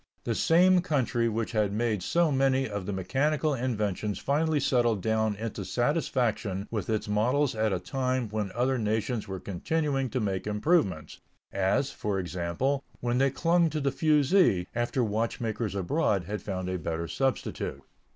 The same country which had made so many of the mechanical inventions finally settled down into satisfaction with its models at a time when other nations were continuing to make improvements, as, for example, when they clung to the fusee after watchmakers abroad had found a better substitute.